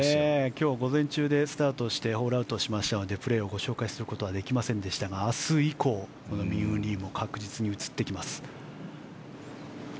今日午前中でスタートしてホールアウトしましたのでプレーを紹介することはできませんでしたが明日以降、ミンウー・リーも確実に映ってきます。